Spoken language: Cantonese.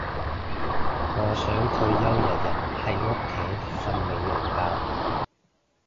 我想退休日日喺屋企瞓美容覺